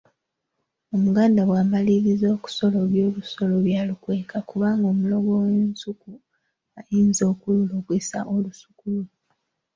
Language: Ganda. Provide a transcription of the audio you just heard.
Omuganda bw’amaliriza okusolobya olusolobyo alukweka kubanga omulogo w’ensuku ayinza okululogesa olusuku lwo.